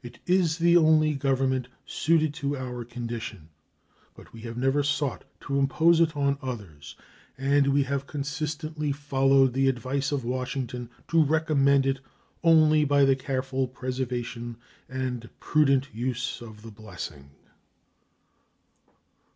It is the only government suited to our condition; but we have never sought to impose it on others, and we have consistently followed the advice of Washington to recommend it only by the careful preservation and prudent use of the blessing.